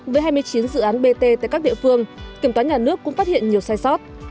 với hai mươi chín dự án bt tại các địa phương kiểm toán nhà nước cũng phát hiện nhiều sai sót